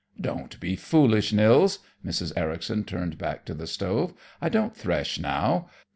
"Don't be foolish, Nils." Mrs. Ericson turned back to the stove. "I don't thresh now.